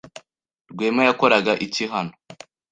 Rwema yakoraga iki hano?